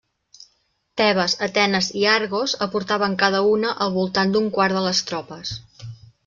Tebes, Atenes i Argos aportaven cada una al voltant d'un quart de les tropes.